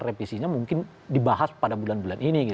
karena direvisinya mungkin dibahas pada bulan bulan ini gitu